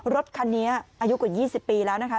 รถคันนี้อายุกว่า๒๐ปีแล้วนะคะ